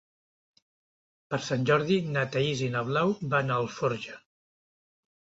Per Sant Jordi na Thaís i na Blau van a Alforja.